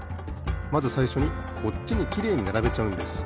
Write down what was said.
まずさいしょにこっちにきれいにならべちゃうんです。